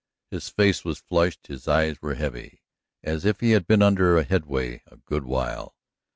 His face was flushed, his eyes were heavy, as if he had been under headway a good while.